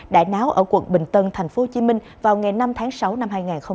đại náo ở quận bình tân tp hcm vào ngày năm tháng sáu năm hai nghìn hai mươi ba